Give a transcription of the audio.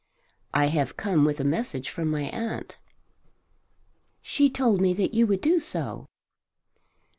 "I have come with a message from my aunt." "She told me that you would do so."